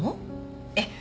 ええ。